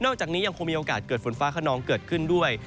จากนี้ยังคงมีโอกาสเกิดฝนฟ้าขนองเกิดขึ้นด้วย